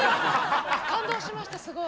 感動しましたすごい。